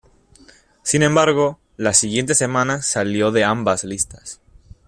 Sin embargo, la siguiente semana salió de ambas listas.